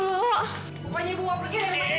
bukannya ibu mau pergi dari rumah ini